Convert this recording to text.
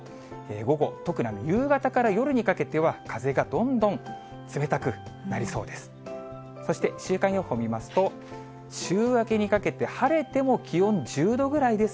午後、特に夕方から夜にかけては、風がどんどん冷たくなりそうです。